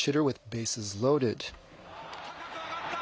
高く上がった！